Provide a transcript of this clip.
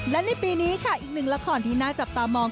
และในปีนี้ค่ะอีกหนึ่งละครที่น่าจับตามอง